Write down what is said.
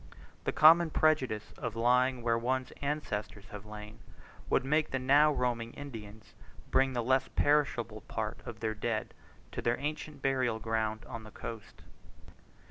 The common prejudice of lying where one's ancestors have lain, would make the now roaming Indians bring the less perishable part of their dead to their ancient burial ground on the coast.